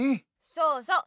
そうそう。